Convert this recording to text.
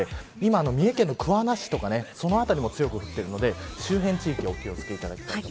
三重県の桑名市なども強く降っているので周辺地域はお気を付けください。